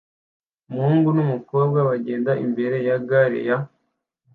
Umuhungu n'umukobwa bagenda imbere ya gari ya